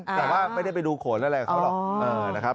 แต่ว่าไม่ได้ไปดูโขนอะไรกับเขาหรอกนะครับ